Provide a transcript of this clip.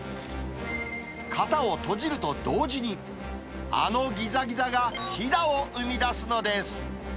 型を閉じると同時に、あのぎざぎざがひだを生み出すのです。